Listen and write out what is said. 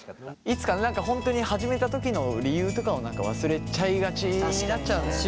いつか本当に始めた時の理由とかも忘れちゃいがちになっちゃうんだよね。